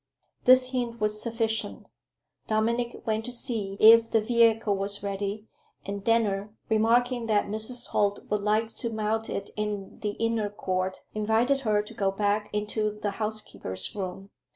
This hint was sufficient. Dominic went to see if the vehicle was ready, and Denner, remarking that Mrs. Holt would like to mount it in the inner court, invited her to go back into the housekeeper's room.